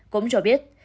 cũng cho biết